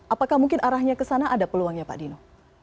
apakah mungkin arahnya ke sana ada peluangnya pak dino